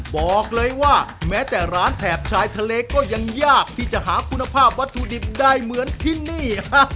บอกเลยว่าแม้แต่ร้านแถบชายทะเลก็ยังยากที่จะหาคุณภาพวัตถุดิบได้เหมือนที่นี่